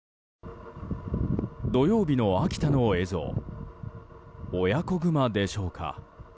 土曜日の秋田県の映像親子グマでしょうか。